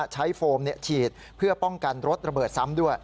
โฟมฉีดเพื่อป้องกันรถระเบิดซ้ำด้วย